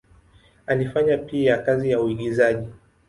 Alifanya pia kazi ya uigizaji.